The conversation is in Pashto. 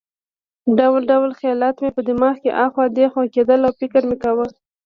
ډول ډول خیالات مې په دماغ کې اخوا دېخوا کېدل او فکر مې کاوه.